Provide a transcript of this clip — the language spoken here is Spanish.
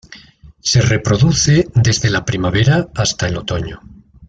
Se reproduce desde la primavera hasta el otoño.